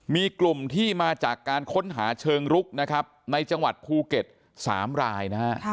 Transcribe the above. มีกลุ่มที่มาจากการค้นหาเชิงลุกในจังหวัดภูเก็ต๓ราย